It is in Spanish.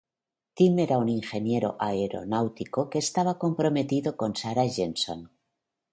Tim era un ingeniero aeronáutico que estaba comprometido con Sarah Jenson.